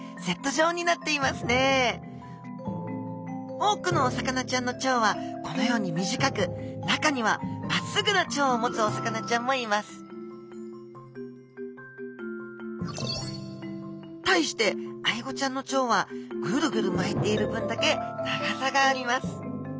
多くのお魚ちゃんの腸はこのように短く中にはまっすぐな腸を持つお魚ちゃんもいます対してアイゴちゃんの腸はぐるぐる巻いている分だけ長さがあります